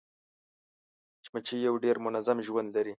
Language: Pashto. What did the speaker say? مچمچۍ یو ډېر منظم ژوند لري